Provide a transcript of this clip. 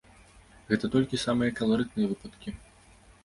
Гэта толькі самыя каларытныя выпадкі!